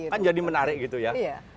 kan jadi menarik gitu ya